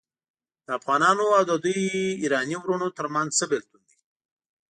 د افغانانو او د دوی ایراني وروڼو ترمنځ څه بیلتون دی.